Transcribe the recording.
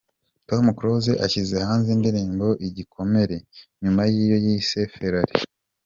Tom Close ashyize hanze indirimbo “Igikomere” nyuma y’iyo yise “Ferrari”.